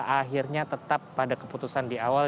akhirnya tetap pada keputusan di awal